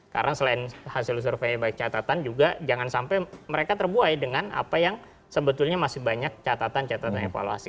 karena selain hasil survei baik catatan juga jangan sampai mereka terbuai dengan apa yang sebetulnya masih banyak catatan catatan evaluasi